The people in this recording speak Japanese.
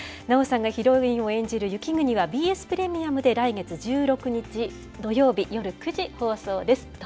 奈緒さんがヒロインを演じる雪国はＢＳプレミアムで来月１６日土曜日夜９時放送です。